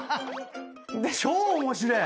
超面白え！